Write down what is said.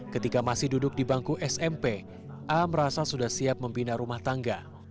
ketika masih duduk di bangku smp a merasa sudah siap membina rumah tangga